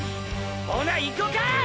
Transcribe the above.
ほないこか！！